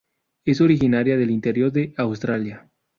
Es originaria del interior de Australia.